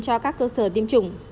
cho các cơ sở tiêm chủng